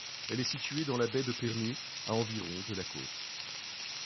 Elle est située dans le baie de Pärnu à environ de la côte.